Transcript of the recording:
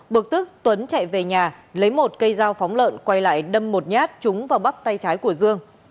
bực tức tuấn chạy về nhà lấy một cây dao phóng lợn quay lại đâm một nhát trúng vào bắp tay trái của dương